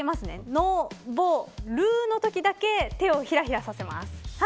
昇るのときだけ手をひらひらさせます。